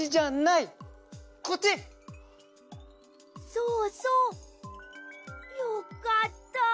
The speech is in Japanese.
そうそう！よかった。